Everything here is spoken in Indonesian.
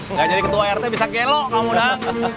nggak jadi ketua rt bisa kelo kamu dak